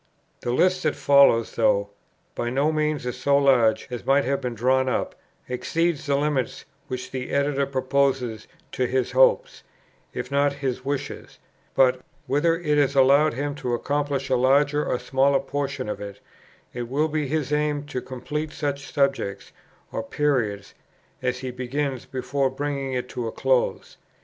The list that follows, though by no means so large as might have been drawn up, exceeds the limits which the Editor proposes to his hopes, if not to his wishes; but, whether it is allowed him to accomplish a larger or smaller portion of it, it will be his aim to complete such subjects or periods as he begins before bringing it to a close.